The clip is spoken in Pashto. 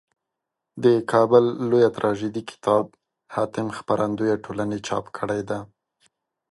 دکابل لویه تراژیدي کتاب حاتم خپرندویه ټولني چاپ کړیده.